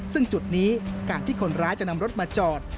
ซึ่งจุดนี้การที่คนร้ายจะนำรถมาจอด